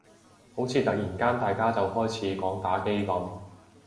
好似突然間大家就開始講打機噉